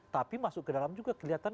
tapi masuk ke dalam juga kelihatan